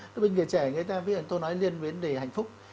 đối với người trẻ người ta biết là tôi nói liên liên về hạnh phúc